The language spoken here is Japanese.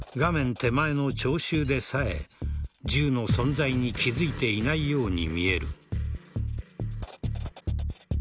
手前の聴衆でさえ銃の存在に気付いていないように見える。